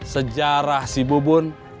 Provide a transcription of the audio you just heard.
sejarah si bubun